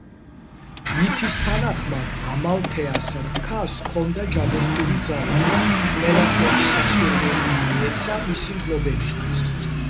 მითის თანახმად ამალთეას რქას ჰქონდა ჯადოსნური ძალა, ყველაფერი სასურველი მიეცა მისი მფლობელისთვის.